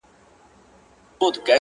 د جلا حُسن چيرمني، د جلا ښايست خاوندي